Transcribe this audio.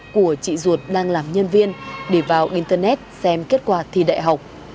của chị ruột đang làm nhân viên để vào internet xem kết quả thi đại học